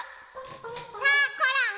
さあコロン。